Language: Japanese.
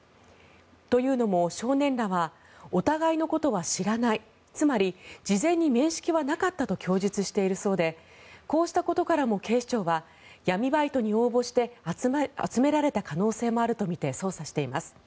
というのも、少年らはお互いのことは知らないつまり、事前に面識はなかったと供述しているそうでこうしたことからも警視庁は闇バイトに応募して集められた可能性もあるとみて捜査しています。